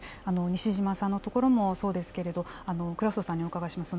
西嶋さんのところもそうですけれどクラフトさんにお伺いします。